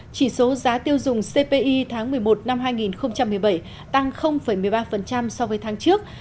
chỉ số giá tiêu dùng cpi tháng một mươi một năm hai nghìn một mươi bảy tăng một mươi ba so với tháng trước